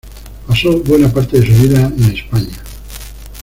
Pasó buena parte de su vida en España.